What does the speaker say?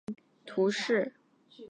圣普列斯特人口变化图示